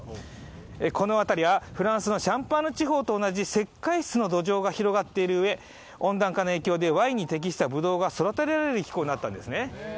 この辺りはフランスのシャンパーニュ地方と同じ石灰質の土壌が広がっているうえ温暖化の影響でワインに適したぶどうが育てられる気功になったんですね。